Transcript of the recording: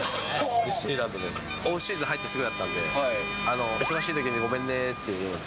オフシーズン入ってすぐだったんで、忙しいときにごめんねって。